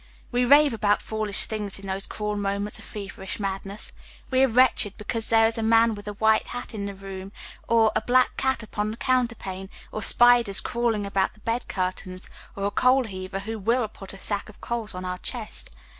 We rave about foolish things in those cruel moments of feverish madness. We are wretched because there is a man with a white hat on in the room, or a black cat upon the counterpane, or spiders crawling about the bed curtains, or a coal heaver who will put a sack of coals on our chest.